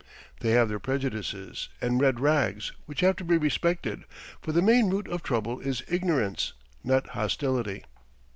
They have their prejudices and "red rags," which have to be respected, for the main root of trouble is ignorance, not hostility.